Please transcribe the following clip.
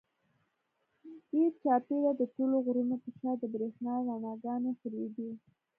ګېر چاپېره د ټولو غرونو پۀ شا د برېښنا رڼاګانې خورېدې